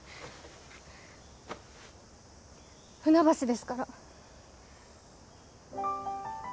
船橋ですから。